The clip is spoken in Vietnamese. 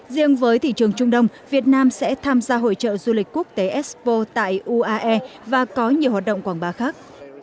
riêng với thị trường trung đông việt nam sẽ tham gia hội trợ du lịch quốc tế expo tại uae và có nhiều hoạt động quảng bá khác